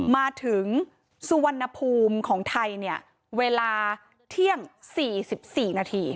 มาถึงสุวรรณภูมิของไทยเนี่ยเวลาเที่ยง๔๔นาที